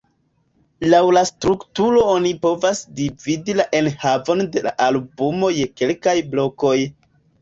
Laŭ la strukturo oni povas dividi la enhavon de la albumo je kelkaj blokoj.